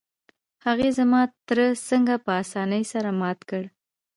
هغې زما تره څنګه په اسانۍ سره مات کړ؟